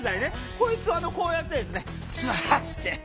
こいつをこうやってですね座らせて。